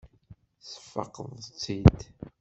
Tesfaqeḍ-tt-id.